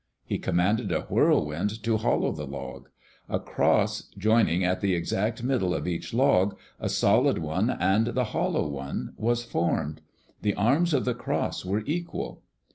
He commanded a whirlwind to hollow the log. A cross, joining at the exact middle of each log, a solid one and the hollow one, was formed. The arms of the cross were equal.